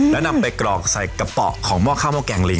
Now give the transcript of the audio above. แล้วนำไปกรอกใส่กระเป๋าของหม้อข้าวห้อแกงลิง